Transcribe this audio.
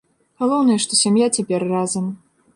Галоўнае, што сям'я цяпер разам.